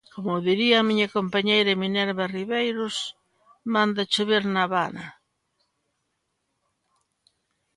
Como diría a miña compañeira Minerva Ribeiros: ¡manda chover na Habana!